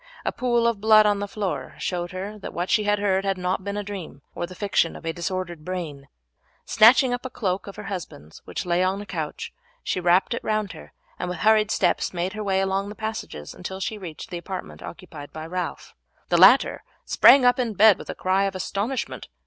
A pool of blood on the floor showed her that what she had heard had not been a dream or the fiction of a disordered brain. Snatching up a cloak of her husband's which lay on a couch, she wrapped it round her, and with hurried steps made her way along the passages until she reached the apartment occupied by Ralph. The latter sprang up in bed with a cry of astonishment.